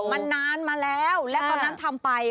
มันนานมาแล้วและตอนนั้นทำไป